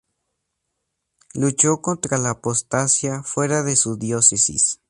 Luchó contra la apostasía fuera de su diócesis.